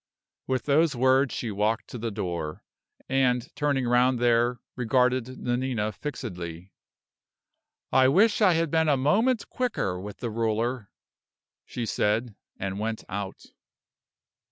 With those words she walked to the door; and, turning round there, regarded Nanina fixedly. "I wish I had been a moment quicker with the ruler," she said, and went out.